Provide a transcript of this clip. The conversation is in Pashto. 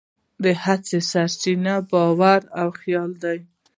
د هڅې سرچینه باور او خیال دی.